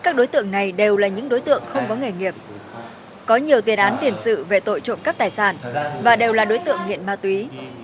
các đối tượng này đang thuê trọ tại thôn yên phú xã vĩnh khúc huyện ma túy